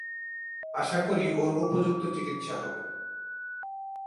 আশা করি ওর উপযুক্ত চিকিৎসা হবে।